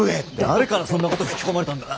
誰からそんなこと吹き込まれたんだ。